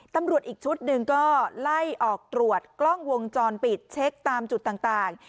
ตำรวจอีกชุดหนึ่งก็ไล่ออกตรวจกล้องวงจรปิดเช็คตามจุดต่าง